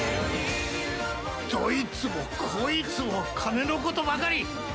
どいつもこいつも金のことばかり！！